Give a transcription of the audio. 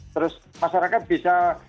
terus masyarakat bisa